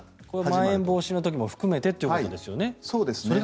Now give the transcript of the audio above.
まん延防止の時も含めてということですよね。